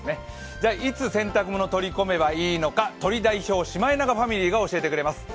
じゃあ、いつ洗濯物を取り込めばいいのか、鳥代表、シマエナガファミリーが教えてくれます。